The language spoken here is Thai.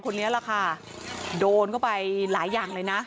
คนนี้แหละค่ะโดนเข้าไปหลายอย่างเลยนะ